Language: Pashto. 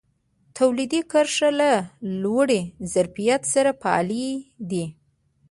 تولیدي کرښې له لوړ ظرفیت سره فعالې دي.